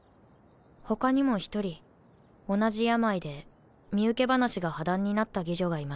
他にも１人同じ病で身請け話が破談になった妓女がいました。